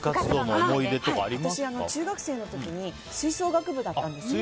私、中学生の時に吹奏楽部だったんです。